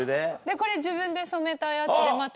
これ自分で染めたやつでまた。